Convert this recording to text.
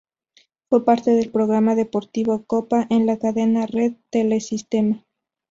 Fue parte del programa deportivo "Copa" en la cadena Red Telesistema.